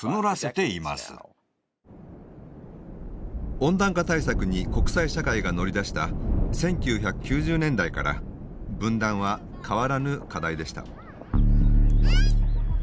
温暖化対策に国際社会が乗り出した１９９０年代から分断は変わらぬ課題でした。